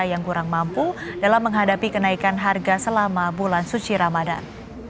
yang kurang mampu dalam menghadapi kenaikan harga selama bulan suci ramadan